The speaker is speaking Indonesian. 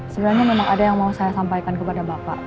sebenarnya memang ada yang mau saya sampaikan kepada bapak